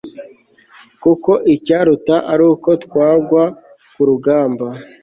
kuko icyaruta ari uko twagwa ku rugamba